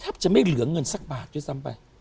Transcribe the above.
แทบจะไม่เหลืองเงินสักบาทซึ้งสั้นไป